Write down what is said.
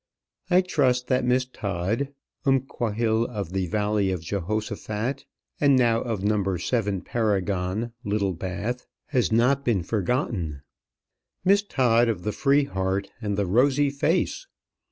I trust that Miss Todd, umquhile of the valley of Jehoshaphat, and now of No. 7 Paragon, Littlebath, has not been forgotten; Miss Todd of the free heart and the rosy face.